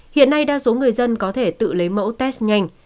hiện nay đa số người dân có thể tự lấy mẫu test nhanh